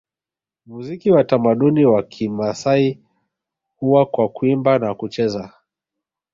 Muziki wa tamaduni wa Kimasai huwa kwa Kuimba na kucheza